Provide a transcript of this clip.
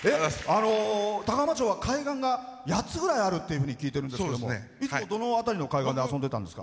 高浜町は海岸が８つぐらいあるって聞いてるんですけどもいつもどの辺りの海岸で遊んでたんですか？